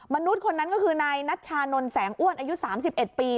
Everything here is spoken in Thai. มนุษย์คนนั้นก็คือนายนัชชานนท์แสงอ้วนอายุ๓๑ปี